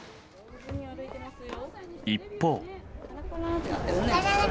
一方。